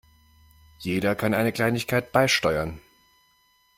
Jeder kann eine Kleinigkeit beisteuern.